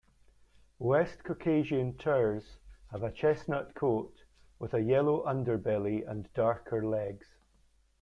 West Caucasian turs have a chestnut coat with a yellow underbelly and darker legs.